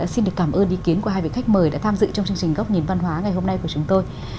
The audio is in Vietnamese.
xin được cảm ơn ý kiến của hai vị khách mời đã tham dự trong chương trình góc nhìn văn hóa ngày hôm nay của chúng tôi